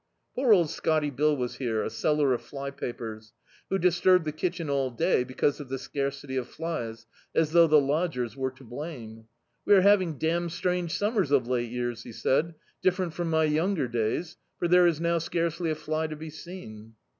Poor old "Scotty*' Bill was here, a seller of fly papers; who disturbed the kitchen all day, because of the scarcity of flies, as though the lodgers were to blame. "We are having damn strange summers of late years," he said, "different from my younger days; for there is now scarcely a fly to be seen."